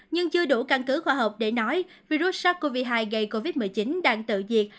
nhưng chưa đủ căn cứ khoa học để nói virus sars cov hai gây covid một mươi chín đang tự diệt